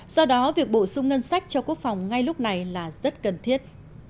do đó việc bổ sung ngân sách cho quốc phòng ngay lúc này là rất cần thiết